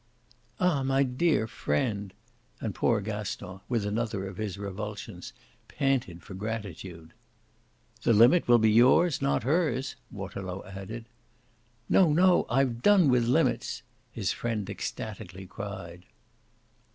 "Ah my dear friend!" and poor Gaston, with another of his revulsions, panted for gratitude. "The limit will be yours, not hers," Waterlow added. "No, no, I've done with limits," his friend ecstatically cried.